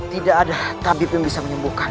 tidak ada tabib yang bisa menyembuhkan